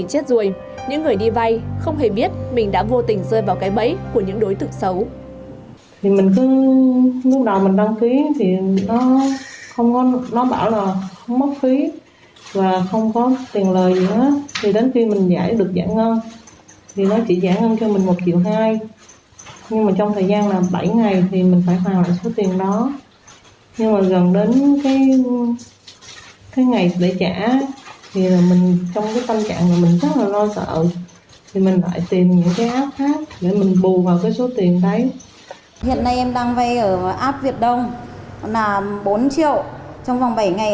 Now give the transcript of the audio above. chính vì vậy người vay cần phải tỉnh táo khi tìm hiểu các app cho vay này để tránh rơi vào những rủi ro